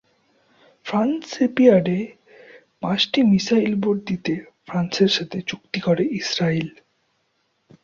France শিপইয়ার্ডে পাঁচটি missile boat দিতে ফ্রান্সের সাথে চুক্তি করে ইসরাইল।